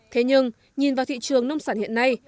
thế nhưng nhìn vào thị trường nông sản hiện nay